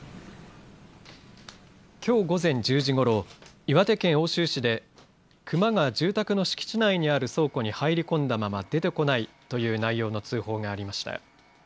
きょう午前１０時ごろ岩手県奥州市でクマが住宅の敷地内にある倉庫に入り込んだまま出てこないという内容の通報がありました。